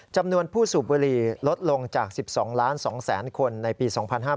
จำนวนผู้สูบบุหรี่ลดลงจาก๑๒๒๐๐๐คนในปี๒๕๕๙